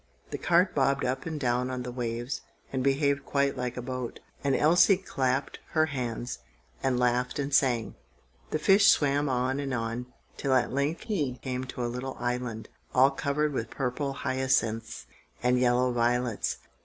The cart bobbed up and down on the waves, and behaved quite like a boat, and Elsie clapped her hands, and laughed and sang. The fish swam on and on, till at length he came to a little island, all covered with purple hyacinths and yellow violets.